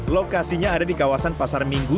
lokasinya ada di kawasan pasar minggu